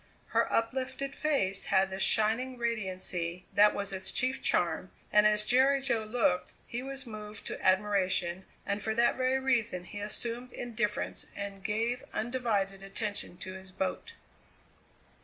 Her uplifted face had the shining radiancy that was its chief charm, and as Jerry Jo looked he was moved to admiration, and for that very reason he assumed indifference and gave undivided attention to his boat.